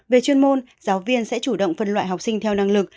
về chuyên môn giáo viên sẽ chủ động phân loại học sinh theo năng lực